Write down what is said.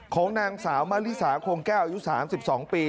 ของนางสาวมะลิสาคงแก้วอายุ๓๒ปี